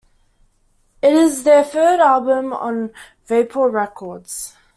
It is their third album on Vapor Records.